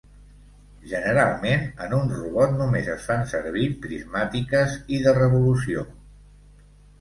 Generalment, en un robot, només es fan servir prismàtiques i de revolució.